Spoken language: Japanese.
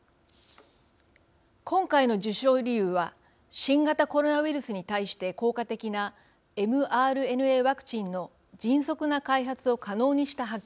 今回の受賞理由は新型コロナウイルスに対して効果的なｍＲＮＡワクチンの迅速な開発を可能にした発見です。